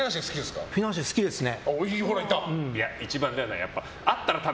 フィナンシェ好きですね。